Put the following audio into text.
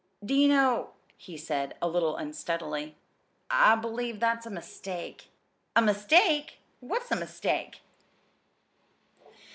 "Do you know," he said, a little unsteadily, "I believe that's a mistake?" "A mistake? What's a mistake?"